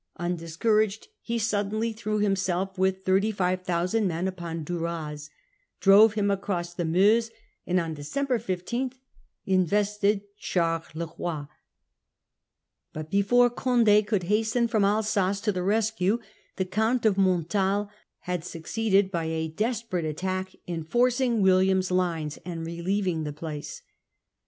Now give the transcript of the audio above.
U ndiscouraged, he suddenly threw failure of iiis himself with 35,000 men upon Duras, drove December hi m across the Meuse, and on December 1 5 15, 167a. invested Charleroi. But before Condd could hasten from Alsace to the rescue, the Count of Montal had succeeded by a desperate attack in forcing William's lines and relieving the place.